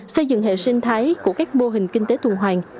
xây dựng hệ sinh thái của các mô hình kinh tế tuần hoàng